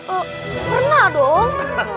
tidak pernah dong